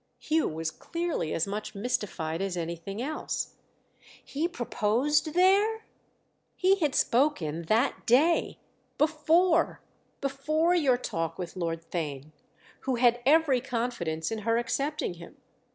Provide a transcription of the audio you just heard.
Hugh was clearly as much mystified as anything else. "He proposed there—?" "He had spoken, that day, before—before your talk with Lord Theign, who had every confidence in her accepting him.